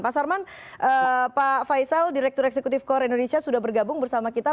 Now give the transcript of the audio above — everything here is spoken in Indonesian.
pak sarman pak faisal direktur eksekutif kor indonesia sudah bergabung bersama kita